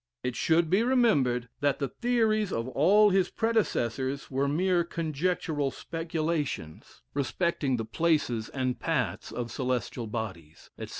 It should be remembered that the theories of all his predecessors were mere conjectural speculations respecting the places and paths of celestial bodies, etc.